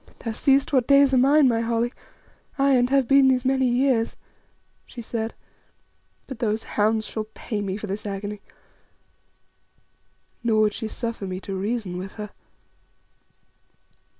"Thou seest what days are mine, my Holly, aye, and have been these many years," she said; "but those hounds shall pay me for this agony." Nor would she suffer me to reason with her.